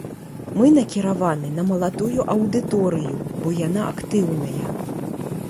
Мы накіраваны на маладую аўдыторыю, бо яна актыўная.